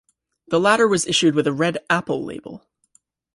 The latter was issued with a red Apple label.